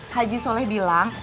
haji soleh bilang